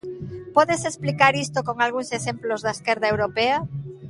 Podes explicar isto con algúns exemplos da esquerda europea?